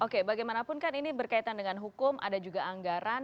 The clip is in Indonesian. oke bagaimanapun kan ini berkaitan dengan hukum ada juga anggaran